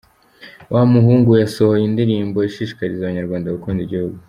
Wa muhungu yasohoye indirimbo ishishikariza abanyarwanda gukunda igihugu.